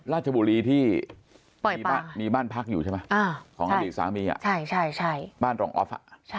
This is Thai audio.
ราชบุรีที่มีบ้านพักอยู่ใช่ไหมของอดีตสามีบ้านรองออฟ